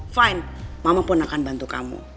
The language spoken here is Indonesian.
fine mama pun akan bantu kamu